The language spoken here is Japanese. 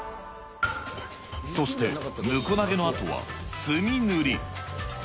そして、むこ投げのあとはすみ塗り。